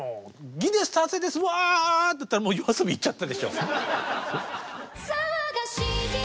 ギネス達成ですわあってやったらもうＹＯＡＳＯＢＩ行っちゃったでしょ。